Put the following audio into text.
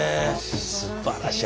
すばらしい。